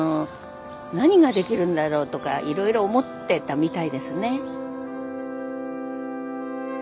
何ができるんだろうとかいろいろ思ってたみたいですね。